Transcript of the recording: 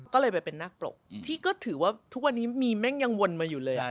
ก็เลยไปเป็นนักปรกที่ก็ถือว่าทุกวันนี้มีแม่งยังวนมาอยู่เลย